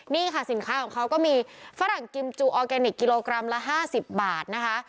นี่ค่ะสินค้าของเขาก็มีฝรั่งกิมจูออร์แกนิคกิโลกรัมละ๕๐บาทนะคะ